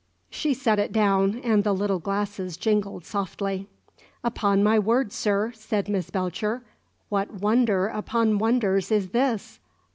She set it down, and the little glasses jingled softly. "Upon my word, sir," said Miss Belcher, "what wonder upon wonders is this?